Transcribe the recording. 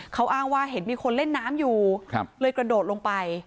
เขาอ้างว่าเห็นมีคนเล่นน้ำอยู่เลยกระโดดลงไป